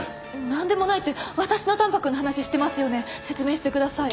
何でもないって私のタンパクの話してますよね説明してください。